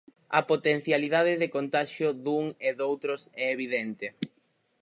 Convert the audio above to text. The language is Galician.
A potencialidade de contaxio dun e doutros é evidente.